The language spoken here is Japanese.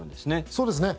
そうですね。